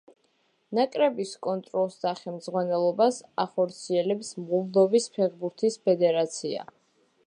ნაკრების კონტროლს და ხელმძღვანელობას ახორციელებს მოლდოვის ფეხბურთის ფედერაცია.